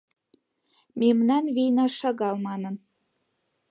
Мемнан вийна шагал манын